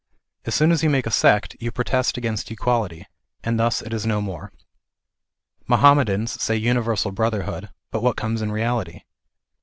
As soon as you make a sect you protest against equality, and thus it is no more. Mohammedans say uni versal brotherhood, but what comes in reality